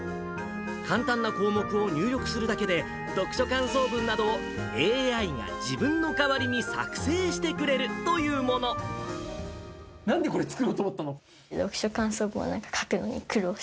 簡単な項目を入力するだけで、読書感想文などを、ＡＩが自分の代わりに作成してくれるというもなんで、これ作ろうと思った読書感想文を書くのに苦労し